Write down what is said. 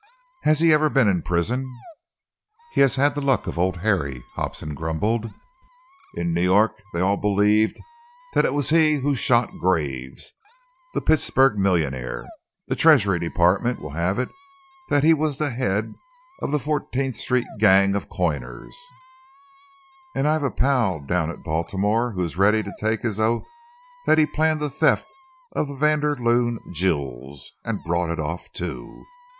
"Has he ever been in prison?" "He has had the luck of Old Harry," Hobson grumbled. "In New York they all believed that it was he who shot Graves, the Pittsburg millionaire. The Treasury Department will have it that he was the head of that Fourteenth Street gang of coiners, and I've a pal down at Baltimore who is ready to take his oath that he planned the theft of the Vanderloon jewels and brought it off, too!